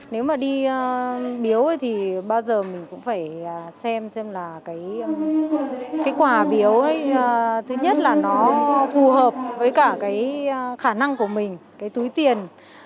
nếu mà đi biếu thì bao giờ mình cũng phải xem xem là cái quà biếu ấy thứ nhất là nó phù hợp với cả cái khả năng của mình cái túi tiền